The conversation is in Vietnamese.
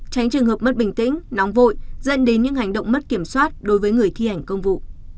tránh trường hợp mất bình tĩnh nóng vội dẫn đến những hành động mất kiểm soát đối với người thi hành công vụ